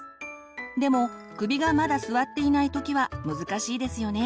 でも首がまだ座っていない時は難しいですよね。